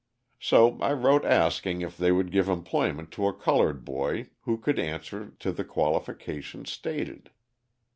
So I wrote asking if they would give employment to a coloured boy who could answer to the qualifications stated.